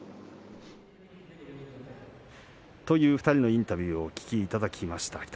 ２人のインタビューをお聞きいただきました。